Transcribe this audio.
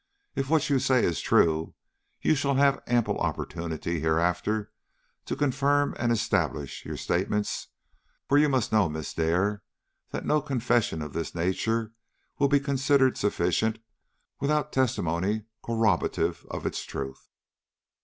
If what you say is true, you shall have ample opportunities hereafter to confirm and establish your statements, for you must know, Miss Dare, that no confession of this nature will be considered sufficient without testimony corroborative of its truth."